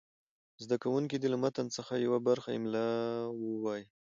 زده کوونکي دې له متن څخه یوه برخه املا ووایي.